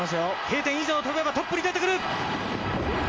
Ｋ点以上飛べばトップに出てくる！